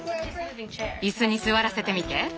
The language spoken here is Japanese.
椅子に座らせてみて。